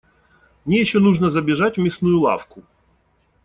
Мне ещё нужно забежать в мясную лавку.